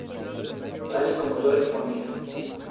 Tal como yo le exponía